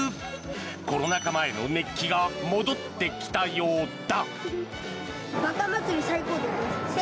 コロナ禍前の熱気が戻ってきたようだ。